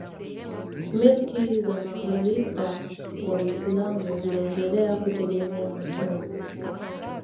Milki za makhalifa wa Uislamu ziliendelea kutegemea watumwa